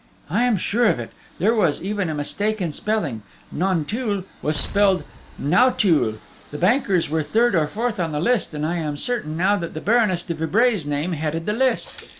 "I am sure of it: there was even a mistake in spelling: Nanteuil was spelled Nauteuil: the bankers were third or fourth on the list, and I am certain now that the Baroness de Vibray's name headed the list....